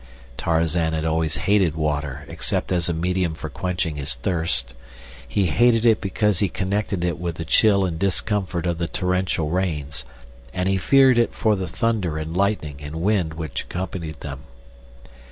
Tarzan had always hated water except as a medium for quenching his thirst. He hated it because he connected it with the chill and discomfort of the torrential rains, and he feared it for the thunder and lightning and wind which accompanied them.